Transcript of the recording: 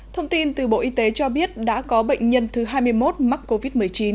thông tin từ bộ y tế cho biết đã có bệnh nhân thứ hai mươi một mắc covid một mươi chín